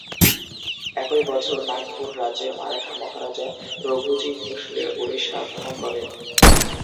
একই বছর নাগপুর রাজ্যের মারাঠা মহারাজা রঘুজী ভোঁসলে উড়িষ্যা আক্রমণ করেন।